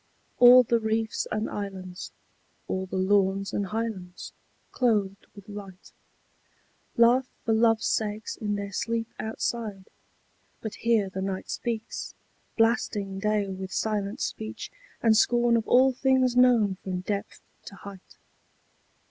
All the reefs and islands, all the lawns and highlands, clothed with light, Laugh for love's sake in their sleep outside: but here the night speaks, blasting Day with silent speech and scorn of all things known from depth to height.